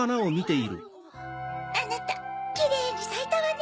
あなたキレイにさいたわね